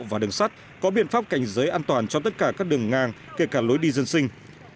và đường sắt có biện pháp cảnh giới an toàn cho tất cả các đường ngang kể cả lối đi dân sinh